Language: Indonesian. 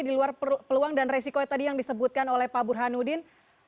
di luar peluang dan resiko tadi yang disebutkan oleh pak burhanuddin